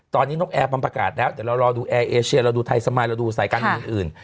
ตอนนี้นกแอร์มันประกาศแล้วแต่เรารอดูแอร์เอเชียเราดูไทยสมายเราดูสายการบินอื่น